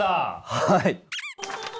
はい。